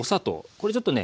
これちょっとね